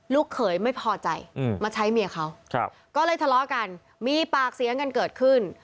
เขยไม่พอใจมาใช้เมียเขาก็เลยทะเลาะกันมีปากเสียงกันเกิดขึ้น